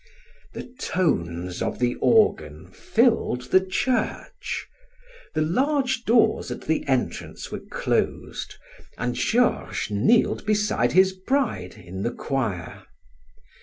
The tones of the organ filled the church; the large doors at the entrance were closed, and Georges kneeled beside his bride in the choir.